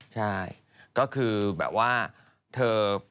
ใช่ก็คือแบบว่าเธอ